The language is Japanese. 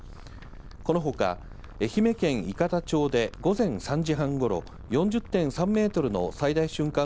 このほか、愛媛県伊方町で午前３時半ごろ、４０．３メートルの最大瞬間